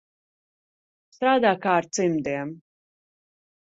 Strādā kā ar cimdiem.